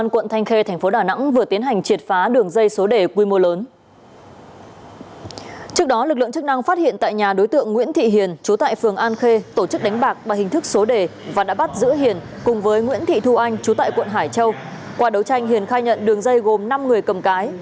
qua đấu tranh hiền khai nhận đường dây gồm năm người cầm cái